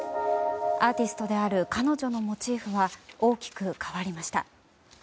アーティストである彼女のモチーフは大きく変わりました。